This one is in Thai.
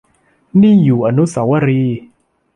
นี่อยู่อนุสาวรีย์